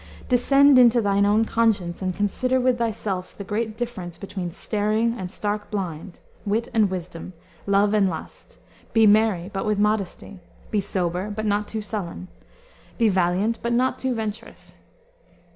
"Descend into thine own conscience and consider with thyself the great difference between staring and stark blind, wit and wisdom, love and lust; be merry, but with modesty; be sober, but not too sullen; be valiant, but not too venturous."